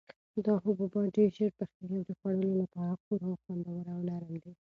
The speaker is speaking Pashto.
دا حبوبات ډېر ژر پخیږي او د خوړلو لپاره خورا خوندور او نرم دي.